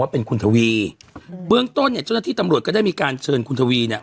เป็นคุณทวีเบื้องต้นเนี่ยเจ้าหน้าที่ตำรวจก็ได้มีการเชิญคุณทวีเนี่ย